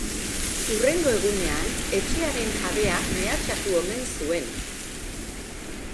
Hurrengo egunean, etxearen jabea mehatxatu omen zuen.